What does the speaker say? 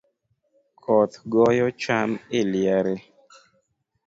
Koth goyo cham eliare